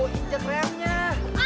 tidak tidak tidak tidak